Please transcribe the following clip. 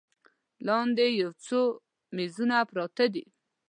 لاندې یو څو میزونه پراته دي.